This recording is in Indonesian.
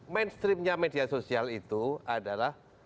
mainstreamnya media sosial itu adalah